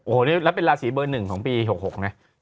โอ้โหแล้วเป็นลาศีเบอร์หนึ่งของปี๖๖เนี่ย